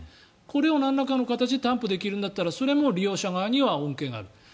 これをなんらかの形で担保できるんだったらそれも利用者側には恩恵がある。